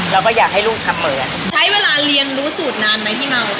เราก็อยากให้ลูกทำเหมือนใช้เวลาเรียนรู้สูตรนานไหมที่เมา